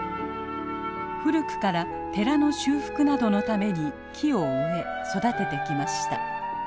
古くから寺の修復などのために木を植え育ててきました。